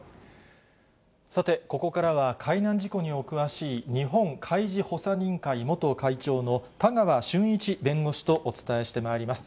さて、ここからは海難事故にお詳しい、日本海事補佐人会元会長の田川俊一弁護士とお伝えしてまいります。